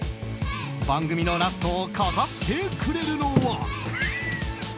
番組のラストを飾ってくれるのは。